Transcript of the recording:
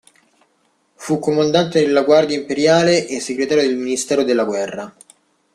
Fu comandante della Guardia imperiale e segretario del Ministero della guerra.